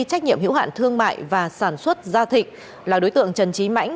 trách nhiệm hữu hạn thương mại và sản xuất gia thị là đối tượng trần chí mãnh